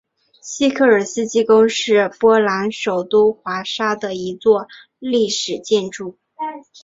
西科尔斯基宫是波兰首都华沙的一座历史建筑。